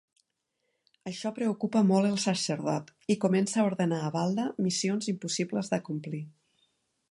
Això preocupa molt el sacerdot i comença a ordenar a Balda missions impossibles d'acomplir.